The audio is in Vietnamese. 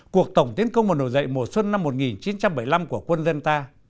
cuộc tổng tiến công và nổi dậy mùa xuân năm một nghìn chín trăm bảy mươi năm của quân dân ta